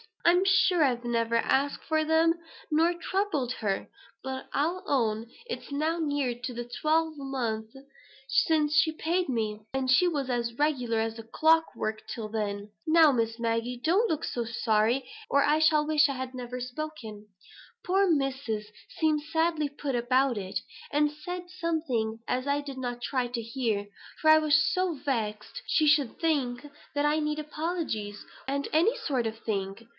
I'm sure I've never asked for them, nor troubled her; but I'll own it's now near on to twelve months since she paid me; and she was as regular as clock work till then. Now, Miss Maggie don't look so sorry, or I shall wish I had never spoken. Poor Missus seemed sadly put about, and said something as I did not try to hear; for I was so vexed she should think I needed apologies, and them sort of things.